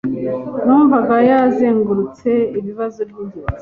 Numvaga yazengurutse ibibazo byingenzi.